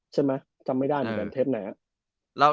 ใช่มั้ยจำไม่ได้แบบเทปไหนอะ